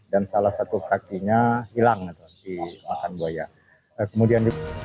dan salah satu kakinya hilang di makan buaya